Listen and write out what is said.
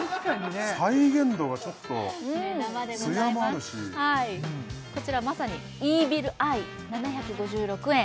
再現度がちょっとつやもあるしこちらまさにイービルアイ７５６円